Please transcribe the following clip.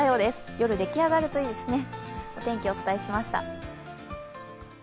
夜できあがるといいですね。